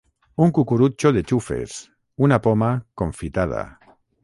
Un cucurutxo de xufes, una poma confitada.